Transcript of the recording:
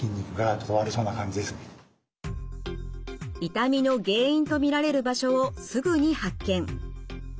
痛みの原因と見られる場所をすぐに発見。